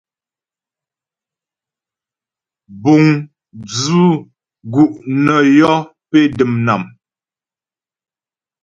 Buŋ dzʉ̂ gu' nə yɔ́ pé dəm nám.